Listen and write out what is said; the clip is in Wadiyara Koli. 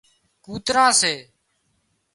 ڪوتران سي